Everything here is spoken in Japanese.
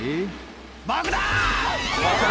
爆弾！